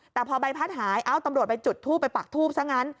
แต่พอใบพัดหายเอ้าตำรวจไปจุดทูบไปปักทูบซะงั้น